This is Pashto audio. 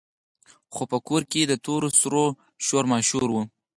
خو په کور کې د تور سرو شور ماشور وو.